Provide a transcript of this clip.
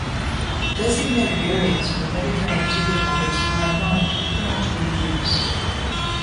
Designated areas for Megatrain ticket holders are not currently used.